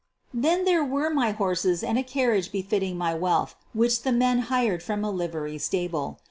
Then there were my horses and a carriage befit ting my wealth which the men hired from a livery stable.